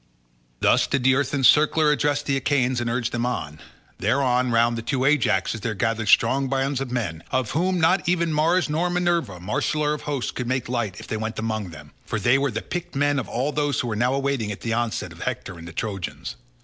Thus did the earth encircler address the Achaeans and urge them on. Thereon round the two Ajaxes there gathered strong bands of men, of whom not even Mars nor Minerva, marshaller of hosts could make light if they went among them, for they were the picked men of all those who were now awaiting the onset of Hector and the Trojans.